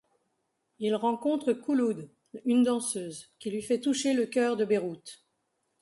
Il rencontre Khouloud, une danseuse, qui lui fait toucher le cœur de Beyrouth.